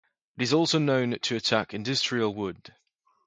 It is also known to attack industrial wood.